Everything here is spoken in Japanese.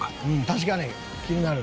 確かに気になる！」